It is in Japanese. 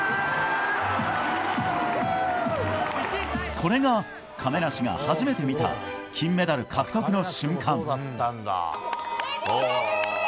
これが亀梨が初めて見た金メダル獲得の瞬間。